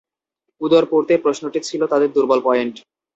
উদরপূর্তির প্রশ্নটি ছিল তাদের দুর্বল পয়েন্ট।